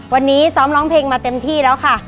วันนี้ซ้อมร้องเพลงมาเต็มที่แล้วค่ะ